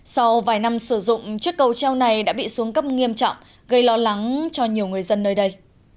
sau vài năm sử dụng chiếc cầu treo này đã bị xuống cấp nghiêm trọng gây lo lắng cho nhiều người dân nơi đây